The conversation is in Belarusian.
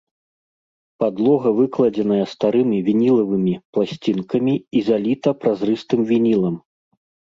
Падлога выкладзеная старымі вінілавымі пласцінкамі і заліта празрыстым вінілам.